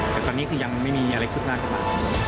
แต่ตอนนี้คือยังไม่มีอะไรคืบหน้าขึ้นมา